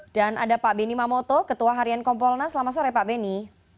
dan ada pak beni mamoto ketua harian kompolna selamat sore pak beni